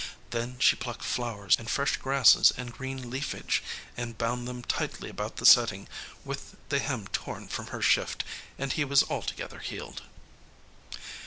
Then she plucked flowers and fresh grasses and green leafage, and bound them tightly about the setting with the hem torn from her shift, and he was altogether healed."